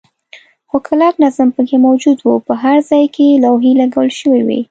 خو کلک نظم پکې موجود و، په هر ځای کې لوحې لګول شوې وې.